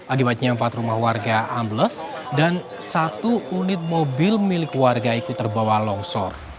akibatnya empat rumah warga ambles dan satu unit mobil milik warga ikut terbawa longsor